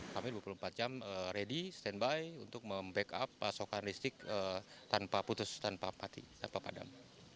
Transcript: kami dua puluh empat jam ready stand by untuk memback up pasokan listrik tanpa putus tanpa mati tanpa padam